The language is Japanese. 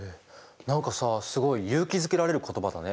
何かさすごい勇気づけられる言葉だね。